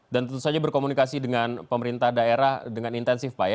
dan tentu saja berkomunikasi dengan pemerintah daerah dengan intensif pak ya